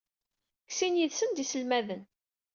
Deg sin yid-sen d iselmaden.